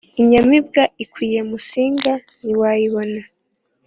Inyamibwa ikwiye Musinga niwayibona